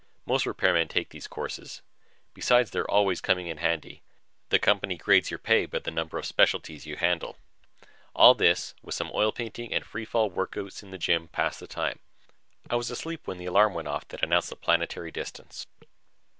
Most repairmen take these courses. Besides their always coming in handy, the company grades your pay by the number of specialties you can handle. All this, with some oil painting and free fall workouts in the gym, passed the time. I was asleep when the alarm went off that announced planetary distance.